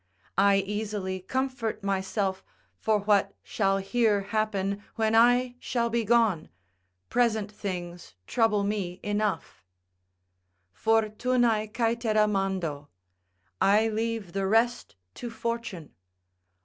I easily comfort myself for what shall here happen when I shall be gone, present things trouble me enough: "Fortunae caetera mando." ["I leave the rest to fortune."